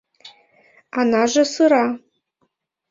Анаже сыра